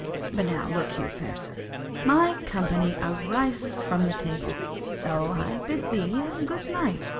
But now, look you, fair sir, my company ariseth from table; so I bid thee a good night.